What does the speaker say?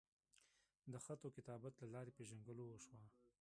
د خط وکتابت لۀ لارې پېژنګلو اوشوه